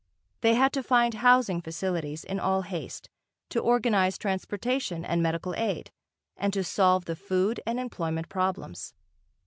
They had to find housing facilities in all haste, to organise transportation and medical aid, and to solve the food and employment problems.